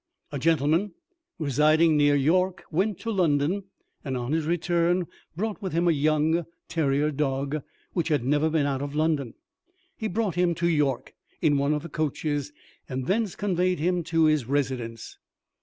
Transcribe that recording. A gentleman residing near York went to London, and on his return brought with him a young terrier dog, which had never been out of London. He brought him to York in one of the coaches, and thence conveyed him to his residence.